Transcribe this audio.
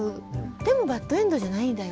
でもバッドエンドじゃないんだよ。